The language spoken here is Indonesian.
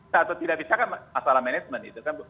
satu tidak bisa kan masalah manajemen